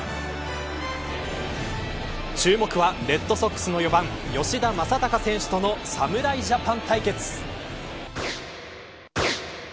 注目はレッドソックスの４番吉田正尚選手との侍ジャパン対決。